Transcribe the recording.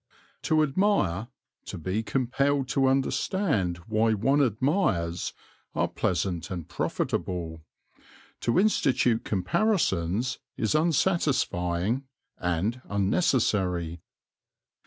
To admire, to be compelled to understand why one admires, are pleasant and profitable. To institute comparisons is unsatisfying and unnecessary.